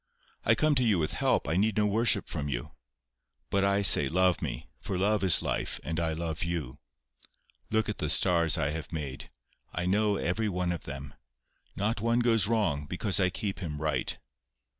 I come to you with help. I need no worship from you. But I say love me, for love is life, and I love you. Look at the stars I have made. I know every one of them. Not one goes wrong, because I keep him right.